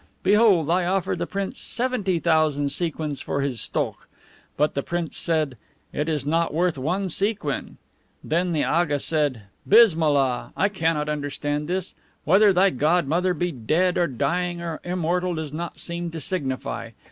Behold, I offer the prince seventy thousand sequins for his STOKH!" But the prince said, "It is not worth one sequin!" Then the Aga said, "Bismillah! I cannot understand this. Whether thy godmother be dead, or dying, or immortal, does not seem to signify.